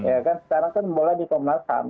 sekarang kan mulai di komnas ham